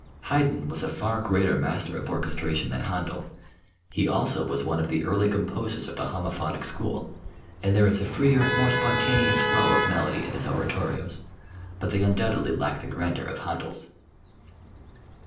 Haydn was a far greater master of orchestration than Händel. He also was one of the early composers of the homophonic school, and there is a freer, more spontaneous flow of melody in his oratorios. But they undoubtedly lack the grandeur of Händel's.